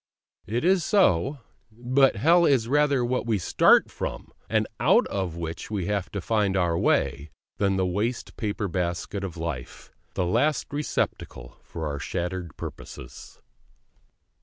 It is so; but Hell is rather what we start from, and out of which we have to find our way, than the waste paper basket of life, the last receptacle for our shattered purposes.